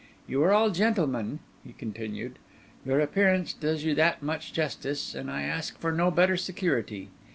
You are all gentlemen," he continued, "your appearance does you that much justice, and I ask for no better security.